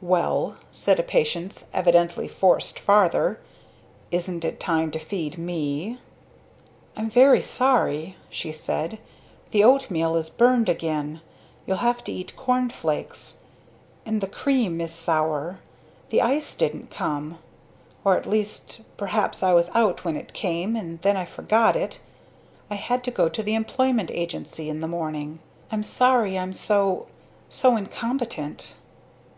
"Well," with a patience evidently forced farther, "isn't it time to feed me?" "I'm very sorry," she said. "The oatmeal is burned again. You'll have to eat cornflakes. And the cream is sour the ice didn't come or at least, perhaps I was out when it came and then I forgot it..... I had to go to the employment agency in the morning!.... I'm sorry I'm so so incompetent."